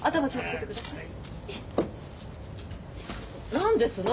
何ですの？